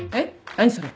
何それ。